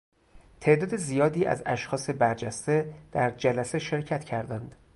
تعداد زیادی از اشخاص برجسته در جلسه شرکت کردند.